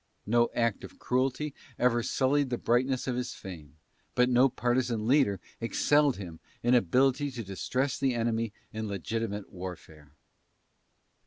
No act of cruelty ever sullied the brightness of his fame, but no partisan leader excelled him in ability to distress the enemy in legitimate warfare.